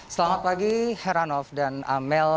selamat pagi heranov dan amel